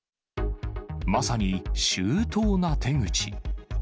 まさに周到な手口。